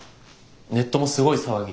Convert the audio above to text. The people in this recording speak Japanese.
ネットもすごい騒ぎ。